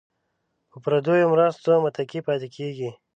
په پردیو مرستو متکي پاتې کیږي.